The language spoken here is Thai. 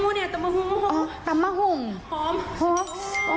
โอ้โฮโอ้โฮโอ้โฮโอ้โฮโอ้โฮ